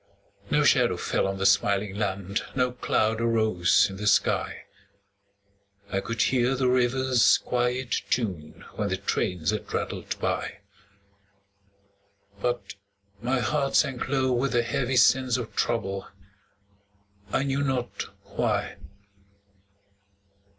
No shadow fell on the smiling land, No cloud arose in the sky; I could hear the river's quiet tune When the trains had rattled by; But my heart sank low with a heavy sense Of trouble, I knew not why.